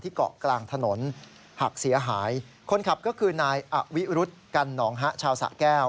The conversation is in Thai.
เกาะกลางถนนหักเสียหายคนขับก็คือนายอวิรุธกันหนองฮะชาวสะแก้ว